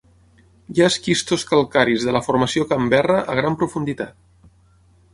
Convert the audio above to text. Hi ha esquistos calcaris de la formació Canberra a gran profunditat.